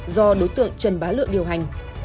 do đối tượng trần bá lượng điều hành